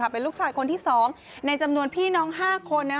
เป็นลูกชายคนที่๒ในจำนวนพี่น้อง๕คน